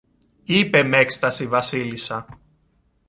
είπε μ' έκσταση η Βασίλισσα